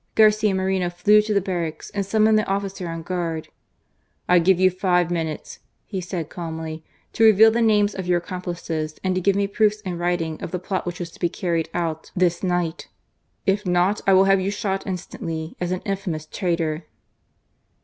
Garcia Moreno flew to the barracks and summoned the officer on guard. *' I give you five minutes," he. said calmly, " to reveal the names of your accomplices and to give me proofs in writing of the plot which was to be carried out this night. If not, I will have you shot instantly, as an infamous traitor."